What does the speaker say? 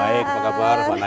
baik apa kabar